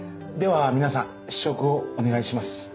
では皆さん試食をお願いします。